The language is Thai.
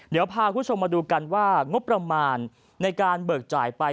เดี๋ยวพาคุณผู้ชมมาดูกันว่างบประมาณในการเบิกจ่ายไป